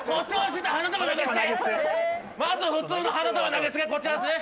まず普通の花束投げ捨てこちらですね。